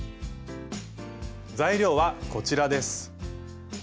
材料はこちらです。